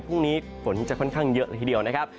พรุ่งนี้ฝนจะค่อนข้างเยอะเลยทีเดียวนะครับ